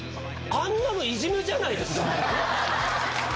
あんなのイジメじゃないですか。